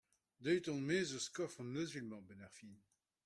Deuet on er-maez eus kof an euzhvil-mañ a-benn ar fin !